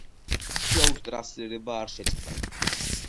შოუს ტრანსლირება არ შეწყდა.